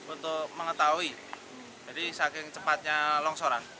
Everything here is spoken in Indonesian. untuk mengetahui jadi saking cepatnya longsoran